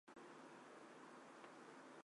沙尔多讷的总面积为平方公里。